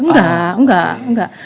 enggak enggak enggak